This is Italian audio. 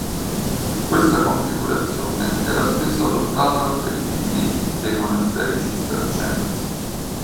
Questa configurazione era spesso adottata per i vigneti dei monasteri cistercensi.